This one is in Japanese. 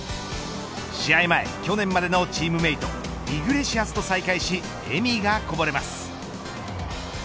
試合前、去年までのチームメートイグレシアスと再会し笑みがこぼれます。